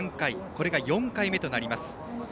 これが４回目となります。